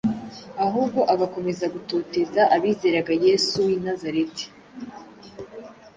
ahubwo agakomeza gutoteza abizeraga Yesu w’i Nazareti.